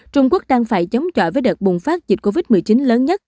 trung quốc đang phải chống chọi với đợt bùng phát dịch covid một mươi chín lớn nhất